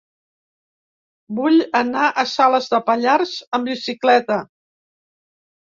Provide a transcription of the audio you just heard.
Vull anar a Salàs de Pallars amb bicicleta.